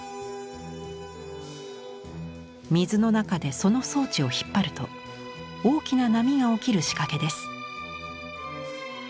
水の中でその装置を引っ張ると大きな波が起きる仕掛けです。